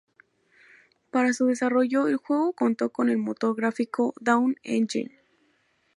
Para su desarrollo, el juego contó con el motor gráfico Dawn Engine.